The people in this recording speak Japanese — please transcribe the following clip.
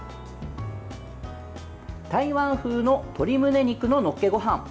台湾風の鶏むね肉ののっけごはん。